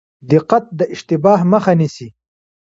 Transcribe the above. دقت د اشتباه مخه نیسي